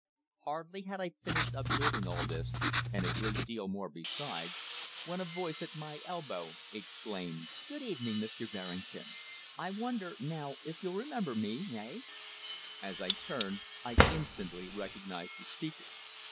Hardly had I finished observing all this, and a great deal more besides, when a voice at my elbow exclaimed: "Good evening, Mr. Berrington. I wonder, now, if you'll remember me eh?" As I turned, I instantly recognized the speaker.